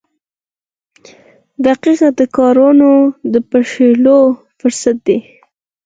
• دقیقه د کارونو د بشپړولو فرصت دی.